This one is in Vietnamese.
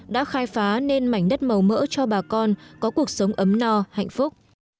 đã khai phá nền mảnh đất màu mỡ cho bà con có cuộc sống ấm no hạnh phúc